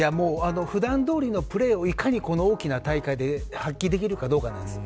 普段どおりのプレーを、いかにこの大きな大会で発揮できるかどうかなんです。